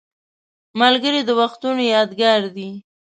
ملګری د وختونو یادګار دی